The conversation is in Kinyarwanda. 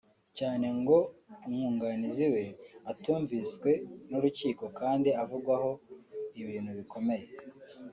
cyane ko ngo umwunganizi we atumviswe n’urukiko kandi avugwaho ibintu bikomeye